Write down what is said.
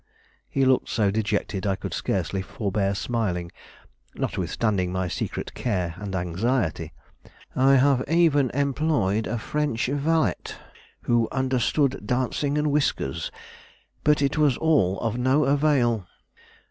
He looked so dejected I could scarcely forbear smiling, notwithstanding my secret care and anxiety. "I have even employed a French valet, who understood dancing and whiskers; but it was all of no avail.